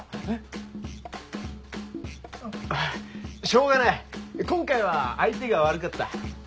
しょうがない今回は相手が悪かった。